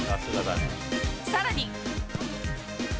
さらに。